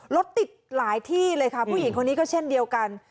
รถติดหลายที่เลยค่ะผู้หญิงคนนี้ก็เช่นเดียวกัน